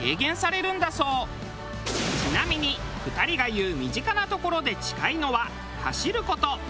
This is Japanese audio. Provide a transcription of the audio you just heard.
ちなみに２人が言う身近なところで近いのは走る事。